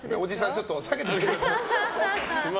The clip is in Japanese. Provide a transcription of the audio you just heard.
ちょっと下げてください。